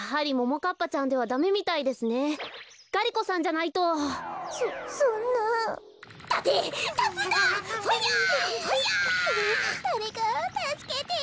だれかたすけて。